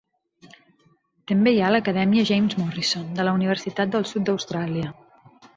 També hi ha l'Acadèmia James Morrison de la Universitat del Sud d'Austràlia.